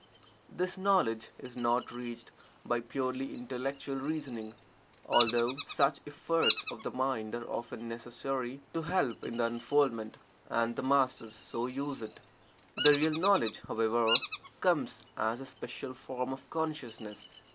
This knowledge is not reached by purely intellectual reasoning, although such efforts of the mind are often necessary to help in the unfoldment, and the Masters so use it. The real knowledge, however, comes as a special form of consciousness.